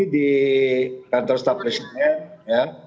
di kantor stabilisatornya